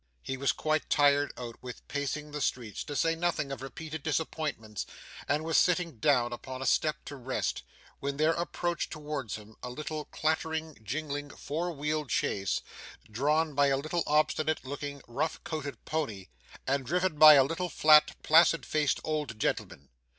He was quite tired out with pacing the streets, to say nothing of repeated disappointments, and was sitting down upon a step to rest, when there approached towards him a little clattering jingling four wheeled chaise, drawn by a little obstinate looking rough coated pony, and driven by a little fat placid faced old gentleman.